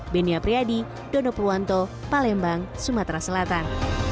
benia priadi dono purwanto palembang sumatera selatan